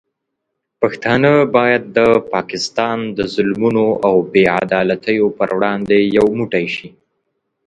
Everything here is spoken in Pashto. پښتانه باید د پاکستان د ظلمونو او بې عدالتیو پر وړاندې یو موټی شي.